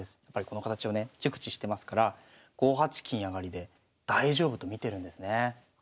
やっぱりこの形をね熟知してますから５八金上で大丈夫と見てるんですね。